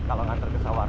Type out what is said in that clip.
kalau ngantar ke sawar